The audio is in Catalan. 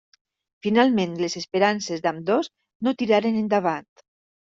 Finalment, les esperances d'ambdós no tiraren endavant.